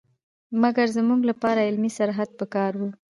مګر زموږ لپاره علمي سرحد په کار وو.